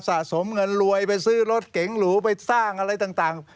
สะสมเงินรวยไปซื้อรถเก๋งหรูไปสร้างอะไรต่าง